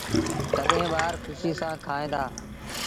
تڏهيݩ ٻآر کُشيٚ سآݩ کائيٚݩدآ۔